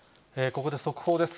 ここで速報です。